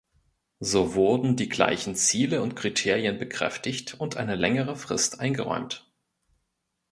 So wurden die gleichen Ziele und Kriterien bekräftigt und eine längere Frist eingeräumt.